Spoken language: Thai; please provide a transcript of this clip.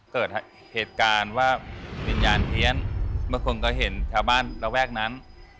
เกิดเหตุการณ์ว่าวิญญาณเฮียนเมื่อคนก็เห็นชาวบ้านระแวกนั้น